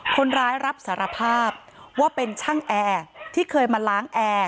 คนร้ายรับสารภาพว่าเป็นช่างแอร์ที่เคยมาล้างแอร์